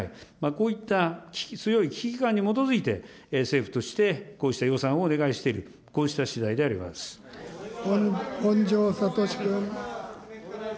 こういった強い危機感に基づいて、政府として、こうした予算をお願いしている、本庄知史君。